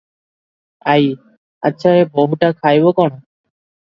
ଆଈ - ଆଚ୍ଛା ଏ ବୋହୂଟା ଖାଇବ କଣ?